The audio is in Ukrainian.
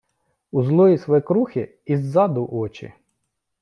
у злої свекрухи і ззаду очі